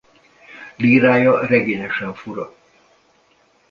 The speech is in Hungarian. Lírája regényesen fura.